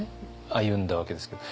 歩んだわけですけど。